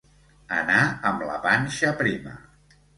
Anar amb la panxa prima.